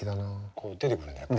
こう出てくるんだやっぱり。